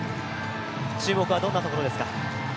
注目はどんなところですか？